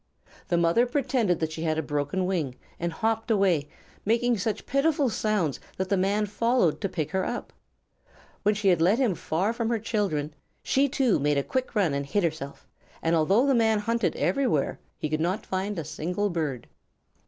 The mother pretended that she had a broken wing, and hopped away, making such pitiful sounds that the man followed to pick her up. When she had led him far from her children, she, too, made a quick run and hid herself; and although the man hunted everywhere, he could not find a single bird.